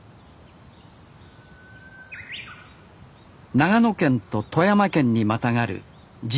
長野県と富山県にまたがる爺ヶ岳。